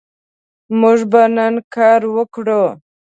موږ به نن کار وکړو